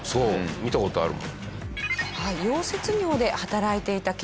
見た事あるもん。